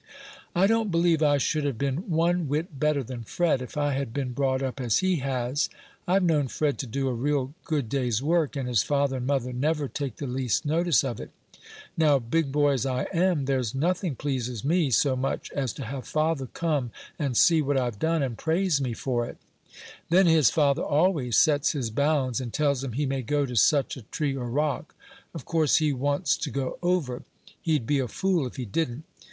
"I don't believe I should have been one whit better than Fred, if I had been brought up as he has. I've known Fred to do a real good day's work, and his father and mother never take the least notice of it; now, big boy as I am, there's nothing pleases me so much as to have father come and see what I've done, and praise me for it; then his father always sets his bounds, and tells him he may go to such a tree or rock; of course he wants to go over; he'd be a fool if he didn't.